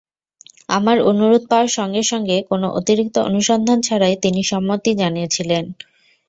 আমার অনুরোধ পাওয়ার সঙ্গে সঙ্গে, কোনো অতিরিক্ত অনুসন্ধান ছাড়াই, তিনি সম্মতি জানিয়েছিলেন।